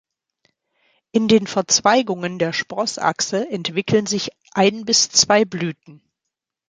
In den Verzweigungen der Sprossachse entwickeln sich ein bis zwei Blüten.